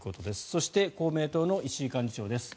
そして公明党の石井幹事長です。